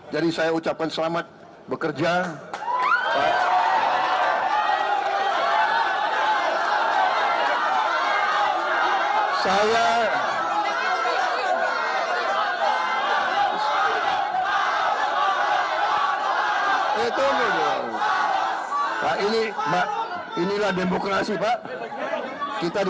jadi saya ucapkan selamat